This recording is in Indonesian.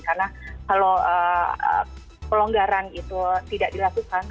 karena kalau pelonggaran itu tidak dilakukan